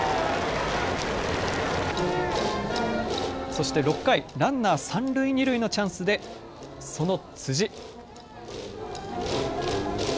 そして６回、ランナー三塁二塁のチャンスでその辻。